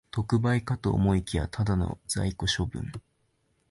特売かと思いきや、ただの在庫処分